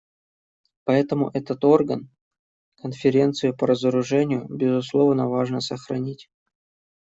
Поэтому этот орган, Конференцию по разоружению, безусловно, важно сохранить.